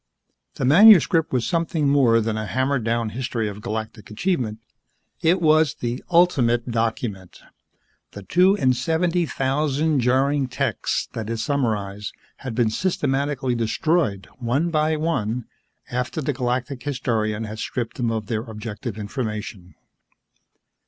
The manuscript was something more than a hammered down history of galactic achievement. It was the ultimate document. The two and seventy thousand jarring texts that it summarized had been systematically destroyed, one by one, after the Galactic Historian had stripped them of their objective information.